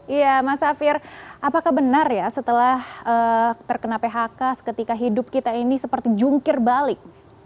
iya mas safir apakah benar ya setelah terkena phk ketika hidup kita ini seperti jungkir balik